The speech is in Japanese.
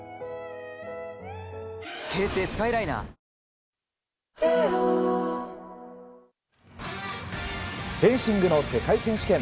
ニトリフェンシングの世界選手権。